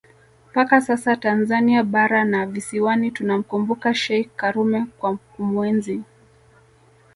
mpaka sasa Tanzania bara na visiwani tunamkumbuka Sheikh Karume kwa kumuenzi